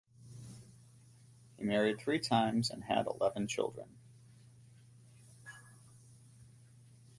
He married three times and had eleven children.